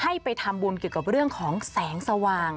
ให้ไปทำบุญเกี่ยวกับเรื่องของแสงสว่าง